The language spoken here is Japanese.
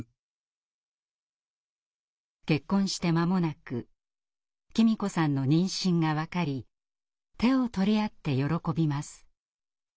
結婚して間もなく喜美子さんの妊娠が分かり手を取り合って喜びます。